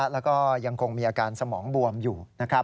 แล้วก็ยังคงมีอาการสมองบวมอยู่